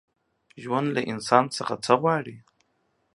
ژوند له انسان نه څه غواړي؟